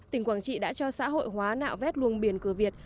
tỉnh quảng trị đã cho xã hội hóa nạo vét luồng biển cửa việt